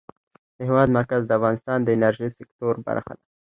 د هېواد مرکز د افغانستان د انرژۍ سکتور برخه ده.